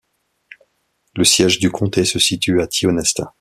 Le siège du comté se situe à Tionesta.